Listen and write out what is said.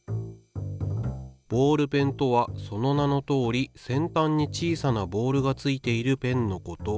「ボールペンとはその名のとおり先たんに小さなボールがついているペンのこと。